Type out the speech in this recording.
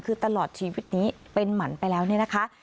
คือตลอดชีวิตนี้เป็นหมันไปแล้วเนี่ยนะคะ